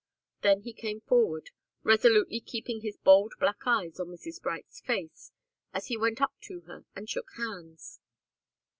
Then he came forward, resolutely keeping his bold black eyes on Mrs. Bright's face as he went up to her and shook hands.